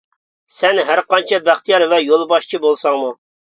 سەن ھەر قانچە بەختىيار ۋە يول باشچى بولساڭمۇ.